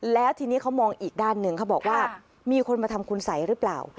แล้วทีนี้เขามองอีกด้านหนึ่งเขาบอกว่ามีคนมาทำคุณสัยหรือเปล่า